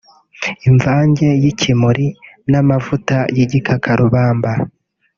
Imvange y’ikimuri n’amavuta y’igikakarubamba